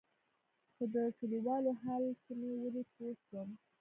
خو د كليوالو حال چې مې ولېد پوه سوم.